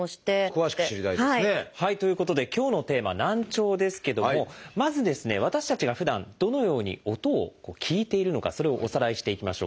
詳しく知りたいですね。ということで今日のテーマ「難聴」ですけどもまず私たちがふだんどのように音を聞いているのかそれをおさらいしていきましょう。